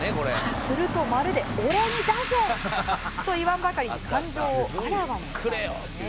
「するとまるで“俺に出せ！”と言わんばかりに感情をあらわにしたんですね」